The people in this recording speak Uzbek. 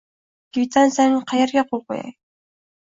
Kvitansiyaning qayeriga qo'l qo'yay?